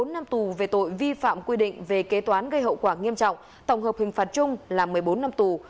bốn năm tù về tội vi phạm quy định về kế toán gây hậu quả nghiêm trọng tổng hợp hình phạt chung là một mươi bốn năm tù